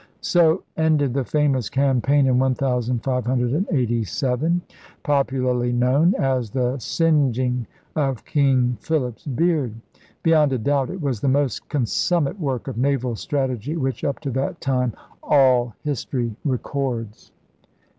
So ended the famous campaign of 1587, popu larly known as the singeing of King Philip's beard. Beyond a doubt it was the most consummate work of naval strategy which, up to that time, all history records.